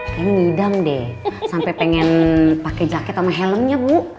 kayaknya ngidam deh sampai pengen pakai jaket sama helmnya bu